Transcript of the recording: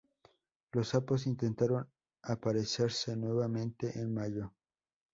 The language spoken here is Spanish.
Los sapos intentaron aparearse nuevamente en mayo.